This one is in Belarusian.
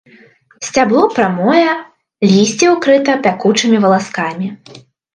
Сцябло прамое, лісце ўкрыта пякучымі валаскамі.